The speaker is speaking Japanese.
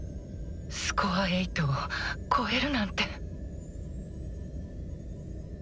スコア８を超えるなんて。